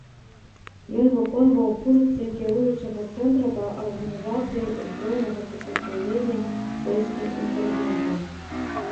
Ён выконваў функцыі кіруючага цэнтра па арганізацыі ўзброенага супраціўлення польскім інтэрвентам.